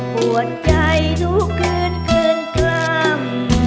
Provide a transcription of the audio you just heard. ปวดใจทุกคืนเครื่องกล้าม